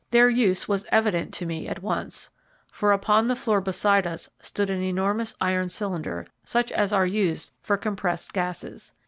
Their use was evident to me at once, for upon the floor beside us stood an enormous iron cylinder, such as are used for compressed gases.